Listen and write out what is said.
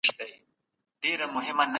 ایا بهرني متشبثین ډیري سرچيني لري؟